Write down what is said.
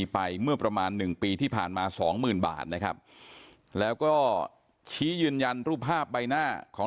ไปเมื่อประมาณหนึ่งปีที่ผ่านมาสองหมื่นบาทนะครับแล้วก็ชี้ยืนยันรูปภาพใบหน้าของ